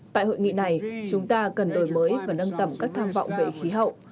tại hội nghị này chúng ta cần đổi mới và nâng tầm các tham vọng về khí hậu